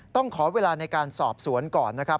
ต้องขอเวลาในการสอบสวนก่อนนะครับ